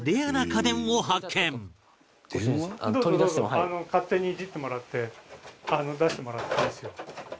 勝手にいじってもらって出してもらっていいですよ。